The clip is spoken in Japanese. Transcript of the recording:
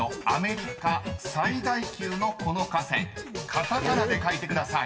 ［カタカナで書いてください］